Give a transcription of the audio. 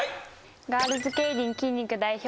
ガールズケイリン筋肉代表